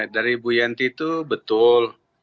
dari bu yanti itu betul